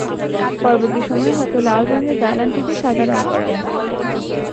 পরবর্তী সময়ে হয়তো লাল রঙের দালানটিকে সাদা রঙ করা হয়েছে।